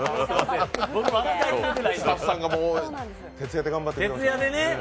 スタッフさんが徹夜で頑張ってくださって。